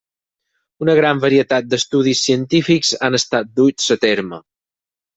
Una gran varietat d'estudis científics han estat duts a terme.